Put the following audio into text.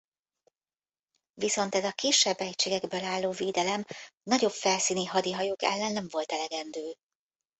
Viszont ez a kisebb egységekből álló védelem nagyobb felszíni hadihajók ellen nem volt elegendő.